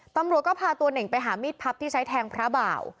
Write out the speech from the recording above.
ตำรวจก็พาตัวเน่งไปหามีดพับที่ใช้แทงพระบ่าว